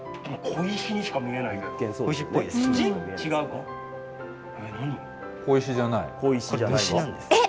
小石にしか見えないけど。